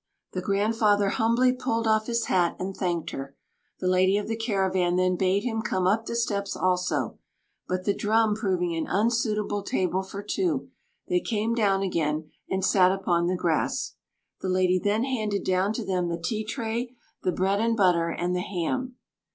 The grandfather humbly pulled off his hat, and thanked her. The lady of the caravan then bade him come up the steps also; but the drum proving an unsuitable table for two, they came down again, and sat upon the grass. The lady then handed down to them the tea tray, the bread and butter, and the ham.